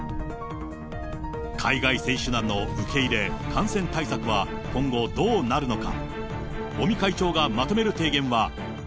海外選手団の受け入れ、感染対策は今後、どうなるのか。